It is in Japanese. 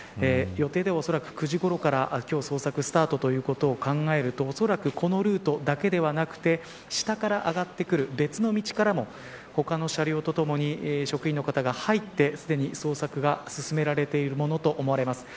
予定ではおそらく９時ごろから捜索がスタートということを考えるとおそらく、このルートだけではなく下から上がってくる別の道からも他の車両とともに職員の方が入って、すでに捜索が進められているものと思われます。